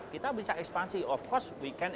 kita bisa ekspansi of course we can